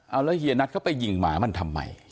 เอาแล้วเฮียนัทเขาไปยิงหมามันทำไม